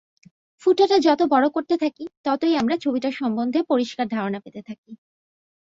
ফুটোটা যত বড় করতে থাকি, ততই আমরা ছবিটার সম্বন্ধে পরিষ্কার ধারণা পেতে থাকি।